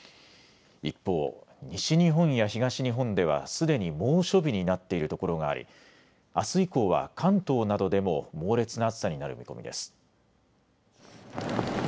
一方、西日本や東日本ではすでに猛暑日になっているところがありあす以降は関東などでも猛烈な暑さになる見込みです。